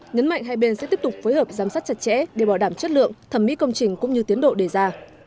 nhấn mạnh hai bên sẽ tiếp tục phối hợp giám sát chặt chẽ để bảo đảm chất lượng thẩm mỹ công trình cũng như tiến độ đề ra